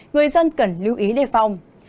người dân cần lưu ý đề phòng